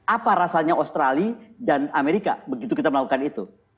apa rasanya australia dan amerika begitu kita melakukan itu